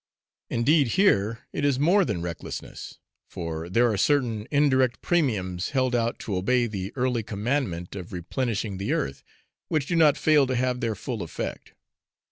Indeed here it is more than recklessness, for there are certain indirect premiums held out to obey the early commandment of replenishing the earth, which do not fail to have their full effect.